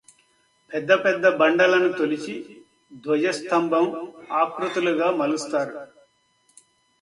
పెద్ద పెద్ద బండలను తొలిచి ధ్వజస్తంభం ఆకృతులుగా మలుస్తారు